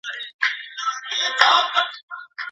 که کورنۍ ملاتړ ونکړي نو ښوونځی یوازي پایله نه ورکوي.